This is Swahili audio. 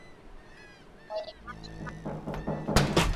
Mwenye macho haambiwi tazama